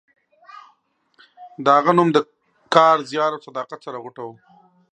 د هغه نوم له کار، زیار او صداقت سره غوټه و.